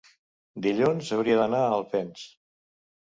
dilluns hauria d'anar a Alpens.